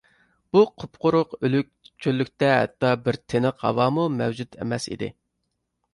بۇ قۇپقۇرۇق ئۆلۈك چۆللۈكتە ھەتتا بىر تىنىق ھاۋامۇ مەۋجۇت ئەمەس ئىدى.